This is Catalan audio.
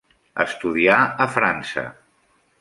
Estudià a França.